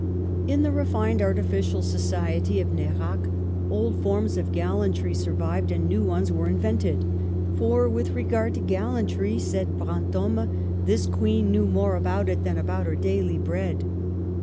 In the refined, artificial society of Nerac old forms of gallantry survived and new ones were invented. '' For with regard to gallantry," said Brantome, '' this Queen knew more about it than about her daily bread."